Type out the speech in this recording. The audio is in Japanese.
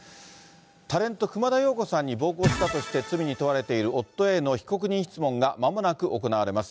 タレント、熊田曜子さんに暴行したとして罪に問われている夫への被告人質問がまもなく行われます。